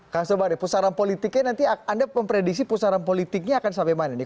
kang sobari pusaran politiknya nanti anda memprediksi pusaran politiknya akan sampai mana nih